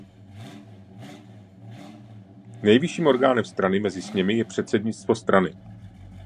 Nejvyšším orgánem strany mezi sněmy je předsednictvo strany.